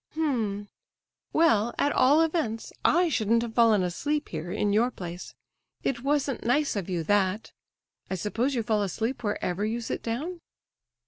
"H'm—well, at all events, I shouldn't have fallen asleep here, in your place. It wasn't nice of you, that. I suppose you fall asleep wherever you sit down?"